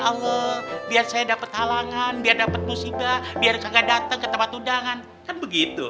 allah biar saya dapat halangan biar dapat musibah biar kagak datang ke tempat undangan kan begitu